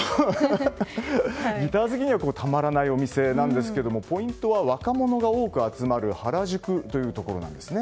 ギター好きにはたまらないお店なんですがポイントは若者が多く集まる原宿というところです。